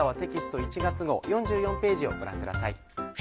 １月号４４ページをご覧ください。